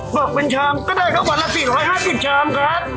อกเป็นชามก็ได้ครับวันละ๔๕๐ชามครับ